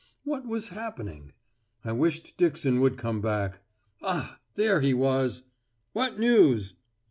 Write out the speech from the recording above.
What was happening? I wished Dixon would come back. Ah! there he was. What news?